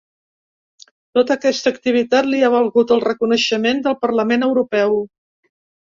Tota aquesta activitat li ha valgut el reconeixement del parlament europeu.